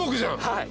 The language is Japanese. はい。